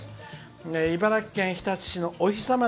茨城県日立市のおひさま